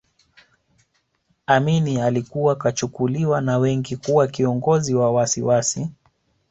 Amin alikuwa kachukuliwa na wengi kuwa kiongozi wa wasiwasi